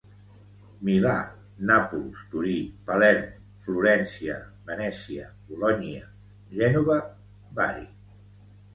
Milà, Nàpols, Torí, Palerm, Florència, Venècia, Bolonya, Gènova, Bari.